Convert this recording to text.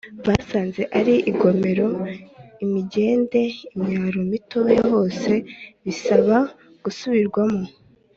Basanze ari ingomero imigende imyaro mitoya hose bisaba gusubirwamo